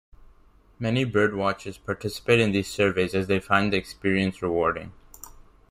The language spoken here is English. Many bird watchers participate in these surveys as they find the experience rewarding.